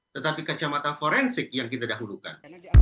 tetapi kacamata forensik yang kita dahulukan